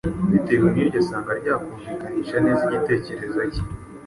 bitewe n’iryo asanga ryakumvikanisha neza igitekerezo ke.